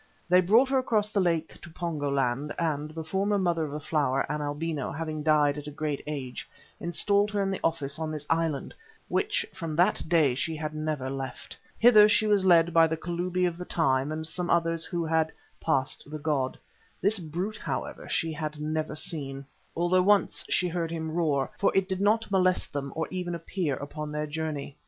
They brought her across the lake to Pongo land and, the former Mother of the Flower, an albino, having died at a great age, installed her in the office on this island, which from that day she had never left. Hither she was led by the Kalubi of the time and some others who had "passed the god." This brute, however, she had never seen, although once she heard him roar, for it did not molest them or even appear upon their journey.